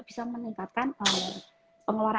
bisa meningkatkan pengeluaran